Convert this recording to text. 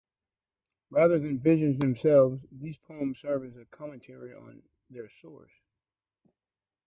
Rather than visions themselves, these poems serve as a commentary on their source.